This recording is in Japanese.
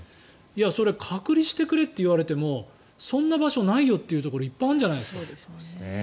それは隔離してくれって言われてもそんな場所ないよというところいっぱいあるんじゃないですか。